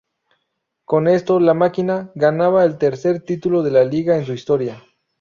Con esto, la "Máquina" ganaba el tercer título de Liga en su historia.